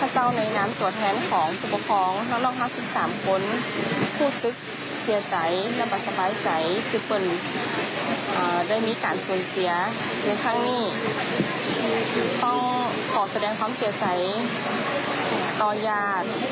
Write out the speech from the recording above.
ทำให้เหตุการณ์ในทางนี้เกิดขึ้นนะครับ